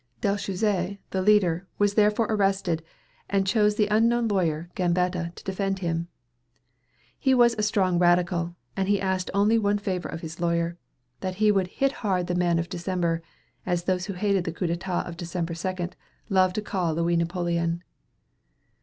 Dellschuzes, the leader, was therefore arrested, and chose the unknown lawyer, Gambetta, to defend him. He was a strong radical, and he asked only one favor of his lawyer, that he would "hit hard the Man of December," as those who hated the Coup d'état of December 2, loved to call Louis Napoleon.